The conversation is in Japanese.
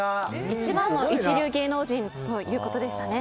一番の一流芸能人ということでしたね。